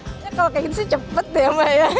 kalau kayak gitu sih cepet deh mbak ya